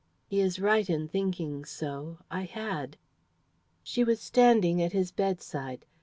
"He is right in thinking so; I had." She was standing at his bedside.